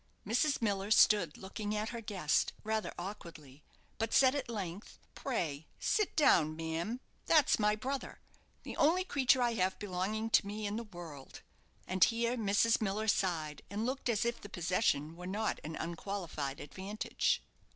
Mrs. Miller stood looking at her guest, rather awkwardly, but said at length: "Pray sit down, ma'am. That's my brother; the only creature I have belonging to me in the world." And here Mrs. Miller sighed, and looked as if the possession were not an unqualified advantage.